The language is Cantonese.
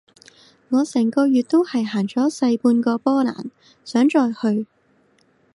我成個月都係行咗細半個波蘭，想再去